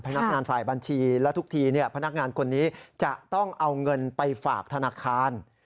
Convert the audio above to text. พนักงานฝ่ายบัญชีและทุกทีพนักงานคนนี้จะต้องเอาเงินไปฝากธนาคาร